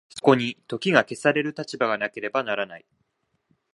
そこに時が消される立場がなければならない。